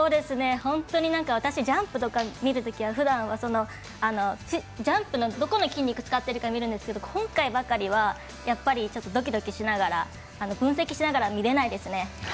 本当に私、ジャンプとか見るときはふだんは、ジャンプのどこの筋肉使ってるか見るんですが今回ばかりはやっぱりドキドキしながら分析しながらは見れないですね。